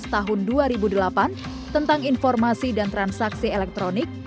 tahun dua ribu delapan tentang informasi dan transaksi elektronik